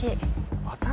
「私」？